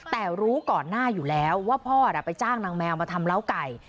แต่รู้ก่อนหน้าอยู่แล้วว่าพ่อไปจ้างนางแมวมาทำเล้าไก่